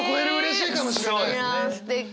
いやすてき！